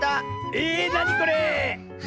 えなにこれ⁉わあ！